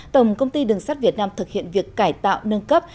tổng công ty đường sắt việt nam thực hiện việc cải tạo nâng cấp